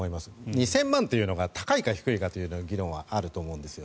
２０００万というのが高いのか低いのかという議論はあると思うんです。